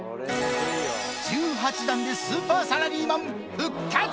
１８段でスーパーサラリーマ